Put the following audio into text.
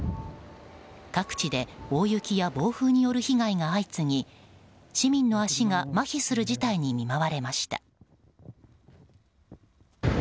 各地で大雪や暴風による被害が相次ぎ市民の足がまひする事態に見舞われました。